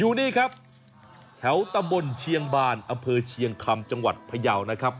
อยู่นี่ครับแถวตมตรเชียงบานปเชียงคำจังหวัดพยาวน์นะครับ